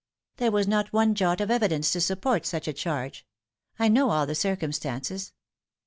" There was not one jot of evidence to support such a charge. I know all the circumstances.